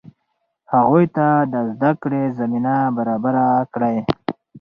هغوی ته د زده کړې زمینه برابره کړئ.